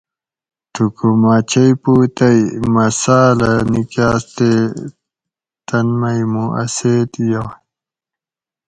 تھُکو مٞہ چئ پُو تئ مٞہ ساٞل کۤہ نِکاٞس تے تن مئ مُوں اٞ سیت یائ